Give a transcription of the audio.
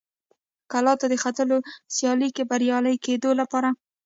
کلا ته د ختلو سیالۍ کې بریالي کېدو لپاره.